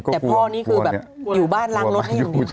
แต่พ่อนี่คือแบบอยู่บ้านล้างรถให้อยู่